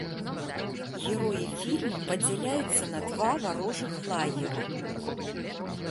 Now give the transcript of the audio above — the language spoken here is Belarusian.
Героі фільма падзяляюцца на два варожых лагера.